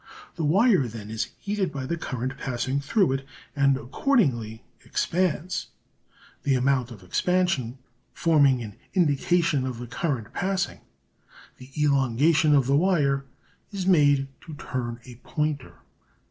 The wire, then, is heated by the current passing through it, and accordingly expands, the amount of expansion forming an indication of the current passing. The elongation of the wire is made to turn a pointer.